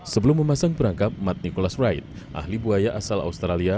sebelum memasang perangkap matt nicholas wright ahli buaya asal australia